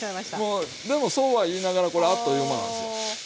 もうでもそうは言いながらこれあっという間なんですよ。